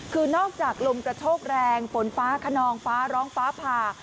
คือนอกจากลมกระโชกแรงฝนฟ้าขนองฟ้าร้องฟ้าผ่า